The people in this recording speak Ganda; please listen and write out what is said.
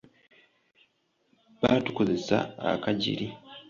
Baatukoozesa akajiri.